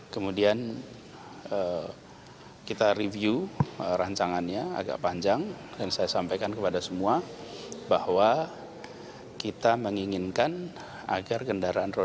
kemudian kita review rancangannya agak panjang dan saya sampaikan kepada semua bahwa kita menginginkan agar kendaraan roda dua